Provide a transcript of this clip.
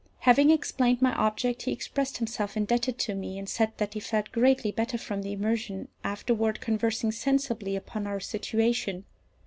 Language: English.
Having explained my object, he expressed himself indebted to me, and said that he felt greatly better from the immersion, afterward conversing sensibly upon our situation.